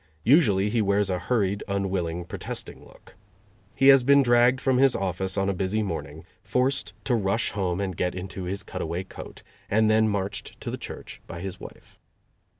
Usually he wears a hurried, unwilling, protesting look. He has been dragged from his office on a busy morning, forced to rush home and get into his cut away coat, and then marched to the church by his wife.